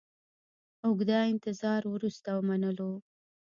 اوږده انتظار وروسته ومنلو.